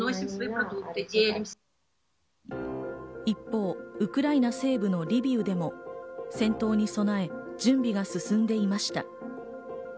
一方、ウクライナ西部のリビウでも戦闘に備え、準備が進んでいました。